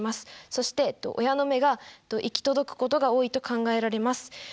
そして親の目が行き届くことが多いと考えられます。